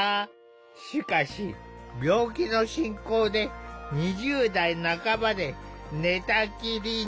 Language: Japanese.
しかし病気の進行で２０代半ばで寝たきりに。